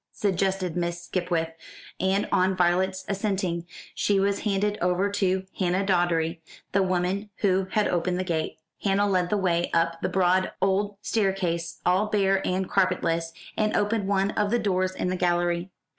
suggested Miss Skipwith, and on Violet's assenting, she was handed over to Hannah Doddery, the woman who had opened the gate. Hannah led the way up the broad old staircase, all bare and carpetless, and opened one of the doors in the gallery.